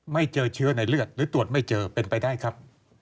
ไม่เจอเชื้อในเลือดหรือตรวจไม่เจอเป็นไปได้ครับ